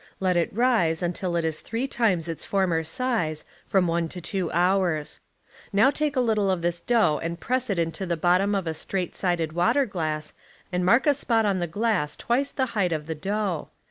Let it rise until it is three times its former size, from one to two hours. Now take a little of this dough and press it into the bottom of a straight sided water glass and mark a spot on the glass twice tlie height of the dough.